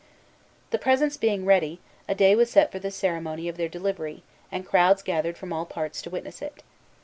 The presents being ready, a day was set for the ceremony of their delivery; and crowds gathered from all parts to witness it.